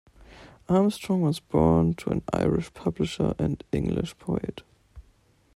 Armstrong was born to an Irish publisher and English poet.